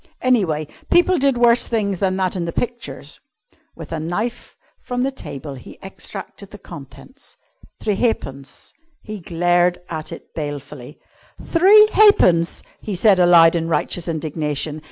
Anyway, people did worse things than that in the pictures. With a knife from the table he extracted the contents three halfpence! He glared at it balefully. "Three halfpence!" he said aloud in righteous indignation.